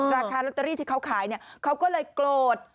ราคาลอตเตอรี่ที่เขาขายเขาก็เลยโกรธ